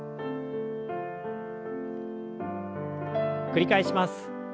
繰り返します。